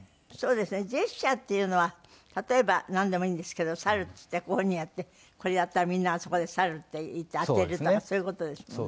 ジェスチャーっていうのは例えばなんでもいいんですけど「猿」っつってこういう風にやってこれやったらみんながそこで「猿」って言って当てるとかそういう事ですもんね。